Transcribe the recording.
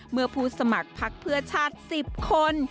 เมื่อผู้สมัครพักเพื่อชาติ๑๐คน